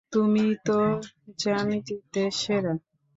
তুমি তো জ্যামিতিতে সেরা।